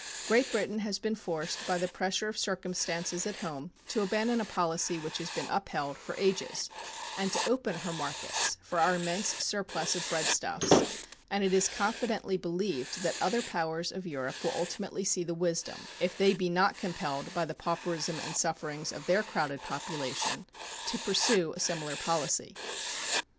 Great Britain has been forced by the pressure of circumstances at home to abandon a policy which has been upheld for ages, and to open her markets for our immense surplus of breadstuffs, and it is confidently believed that other powers of Europe will ultimately see the wisdom, if they be not compelled by the pauperism and sufferings of their crowded population, to pursue a similar policy.